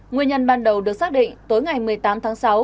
nguyên nhân ban đầu được xác định tối ngày một mươi tám tháng sáu